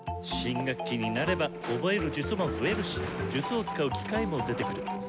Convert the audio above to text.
新学期になれば覚える術も増えるし術を使う機会も出てくる！